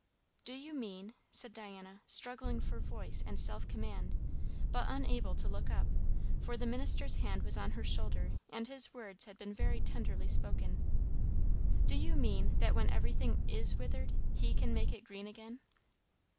"Do you mean," said Diana, struggling for voice and self command, but unable to look up, for the minister's hand was on her shoulder and his words had been very tenderly spoken, "do you mean, that when everything is withered, he can make it green again?"